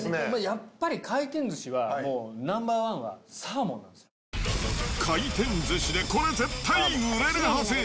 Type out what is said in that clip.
やっぱり回転寿司は、もう、回転寿司でこれ、絶対売れるはず。